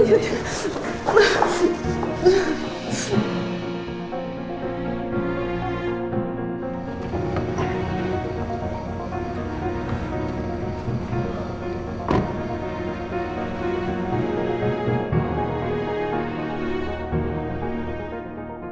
bply dan tahan